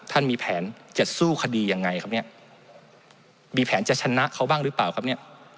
มีแผนจะสู้คดียังไงครับเนี่ยมีแผนจะชนะเขาบ้างหรือเปล่าครับเนี่ย